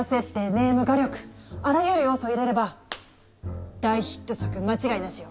・ネーム・画力あらゆる要素を入れれば大ヒット作間違いなしよ。